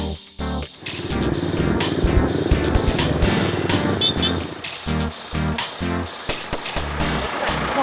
nanti sebentar ya